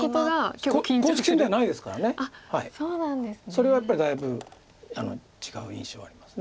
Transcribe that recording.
それはやっぱりだいぶ違う印象あります。